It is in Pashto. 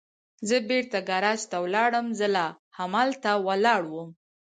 زه بېرته ګاراج ته ولاړم، زه لا همالته ولاړ ووم.